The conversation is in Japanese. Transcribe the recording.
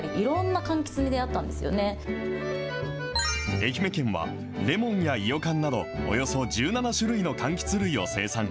愛媛県は、レモンやいよかんなど、およそ１７種類のかんきつ類を生産。